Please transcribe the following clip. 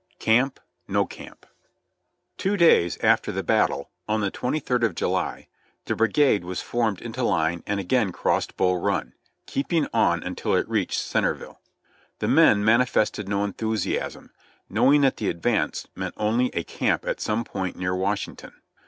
CAMP '''no camp/'' Two days after the battle, on the 23d of July, the brigade was formed into line and again crossed Bull Run, keeping on until it reached Centerville. The men manifested no enthusiasm, know ing that the advance meant only a camp at some point near Wash ington.